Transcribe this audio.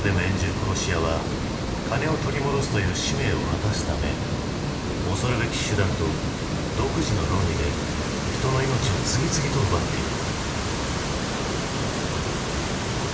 殺し屋はカネを取り戻すという使命を果たすため恐るべき手段と独自の論理で人の命を次々と奪ってゆく。